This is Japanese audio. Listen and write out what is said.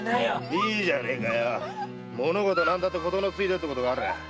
いいじゃねえか物事は何だって「事のついで」ってことがあらぁ。